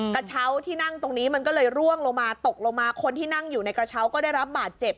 กระเช้าที่นั่งตรงนี้มันก็เลยร่วงลงมาตกลงมาคนที่นั่งอยู่ในกระเช้าก็ได้รับบาดเจ็บ